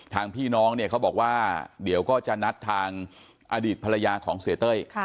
ทางพี่น้องเนี่ยเขาบอกว่าเดี๋ยวก็จะนัดทางอดีตภรรยาของเสียเต้ย